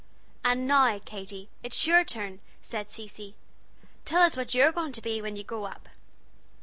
"And now, Katy, it's your turn," said Cecy; "tell us what you're going to be when you grow up."